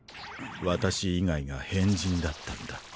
私以外が変人だったんだ。